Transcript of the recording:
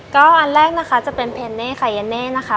ก็อันแรกนะคะจะเป็นเพนเน่ค่ะเย็นเน่นะคะ